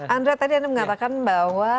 andra tadi anda mengatakan bahwa